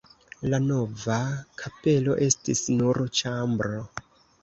La nova kapelo estis nur ĉambro.